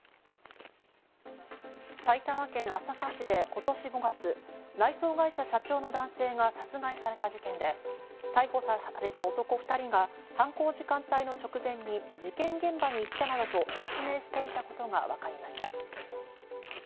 埼玉県朝霞市で今年５月、内装会社社長の男性が殺害された事件で、逮捕された男２人が犯行時間帯の直前に事件現場に行ったなどと説明していたことがわかりました。